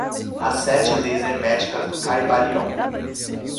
As sete leis herméticas do caibalion